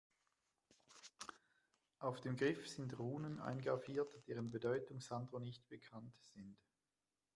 Auf dem Griff sind Runen eingraviert, deren Bedeutung Sandro nicht bekannt sind.